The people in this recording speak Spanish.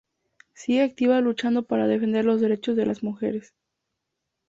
Sigue activa luchando para defender los derechos de las mujeres.